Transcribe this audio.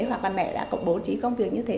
hoặc là mẹ đã có bố trí công việc như thế